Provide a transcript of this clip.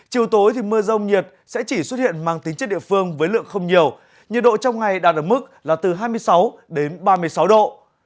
chiều tối thì mưa rông nhiệt sẽ chỉ xuất hiện mang tính chất địa phương với lượng không nhiều nhiệt độ trong ngày đạt ở mức là từ hai mươi sáu đến ba mươi sáu độ